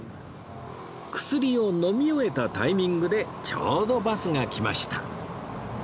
薬を飲み終えたタイミングでちょうどバスが来ました